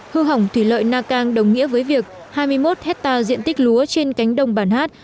hư hỏng thủy lợi nakang đồng nghĩa với việc hai mươi một hectare diện tích lúa trên cánh đồng bản hát